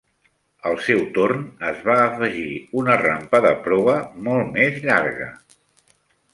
Al seu torn es va afegir una rampa de proa molt més llarga.